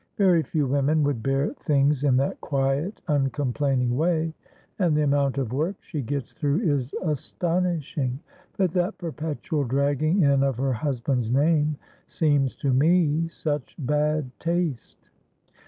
"Very few women would bear things in that quiet, uncomplaining way, and the amount of work she gets through is astonishing; but that perpetual dragging in of her husband's name seems to me such bad taste."